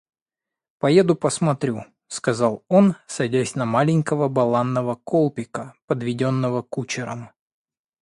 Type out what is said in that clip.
Поеду посмотрю, — сказал он, садясь на маленького буланого Колпика, подведенного кучером.